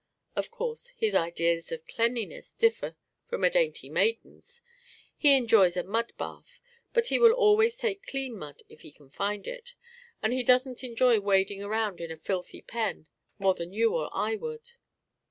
Of course, his ideas of cleanliness differ from a dainty maiden's; he enjoys a mud bath, but he will always take clean mud if he can find it, and he doesn't enjoy wading around in a filthy pen more than you or I would.